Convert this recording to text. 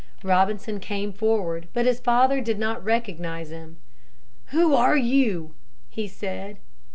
Robinson came forward, but his father did not recognize him. "Who are you?" he said.